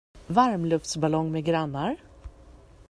Varmluftsballong med grannar.